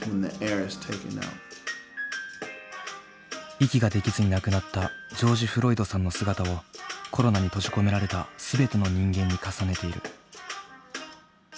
息ができずに亡くなったジョージ・フロイドさんの姿をコロナに閉じ込められた全ての人間に重ねている。